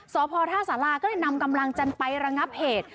สพท่าสาราก็เลยนำกำลังจันทร์ไประงับเหตุ